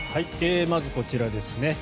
まずこちらですね。